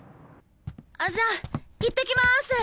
じゃ行ってきます。